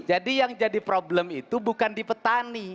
jadi yang jadi problem itu bukan di petani